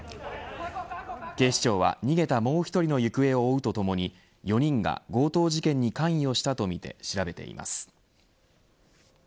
警視庁は逃げたもう１人の行方を追うとともに４人が強盗事件に関与したとみて調べています。